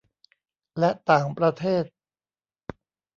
และต่างประเทศ